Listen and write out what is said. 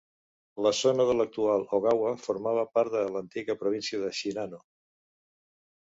La zona de l'actual Ogawa formava part de l'antiga província de Shinano.